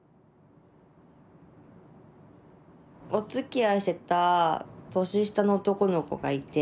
おつきあいしてた年下の男の子がいて。